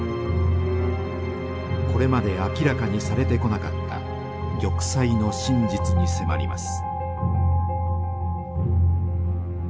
これまで明らかにされてこなかった玉砕の真実に迫ります。